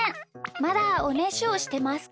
まだおねしょしてますか？